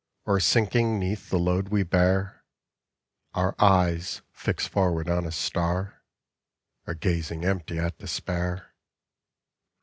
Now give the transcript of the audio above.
Or sinking 'neath the load we bear? Our eyes fixed forward on a star? Or gazing empty at despair?